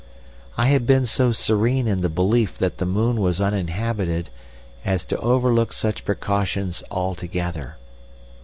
I had been so serene in the belief that the moon was uninhabited as to overlook such precautions altogether.